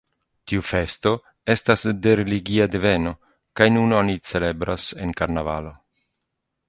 Tiu festo estas de religia deveno kaj nun oni celebras en karnavalo.